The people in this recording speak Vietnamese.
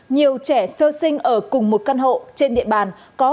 nhiều trẻ sơ sinh ở cùng một căn hộ trên địa bàn